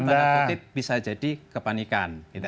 putih bisa jadi kepanikan